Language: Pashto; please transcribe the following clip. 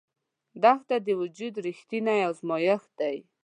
دښته د وجود رښتینی ازمېښت دی.